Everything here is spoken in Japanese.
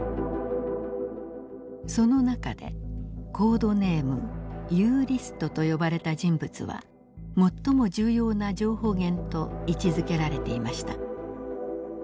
その中でコードネームユーリストと呼ばれた人物は最も重要な情報源と位置づけられていました。